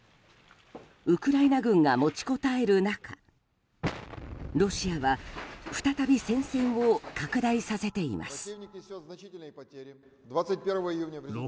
ウクライナ軍が持ちこたえる中ロシアは再び戦線を拡大させています。